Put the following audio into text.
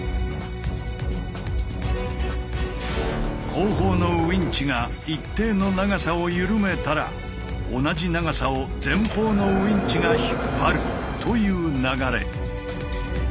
後方のウインチが一定の長さを緩めたら同じ長さを前方のウインチが引っ張るという流れ。